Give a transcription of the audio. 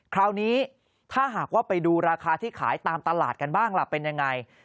คราวนี้ถ้าหากว่าไปดูราคาที่ขายตามตลาดกันบ้างล่ะเป็นยังไง